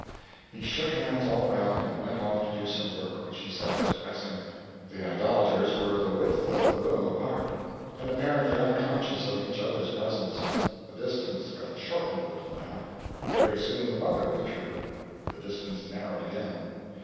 He shook hands all around and went off to do some work which he said was pressing. The idolaters were the width of the room apart; and apparently unconscious of each other's presence. The distance got shortened a little, now. Very soon the mother withdrew. The distance narrowed again.